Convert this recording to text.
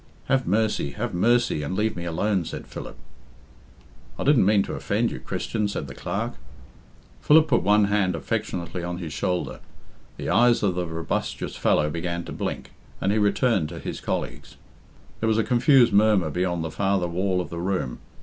"Have mercy, have mercy, and leave me alone," said Philip. "I didn't mean to offend you, Christian," said the Clerk. Philip put one hand affectionately on his shoulder. The eyes of the robustious fellow began to blink, and he returned to his colleagues. There was a confused murmur beyond the farther wall of the room.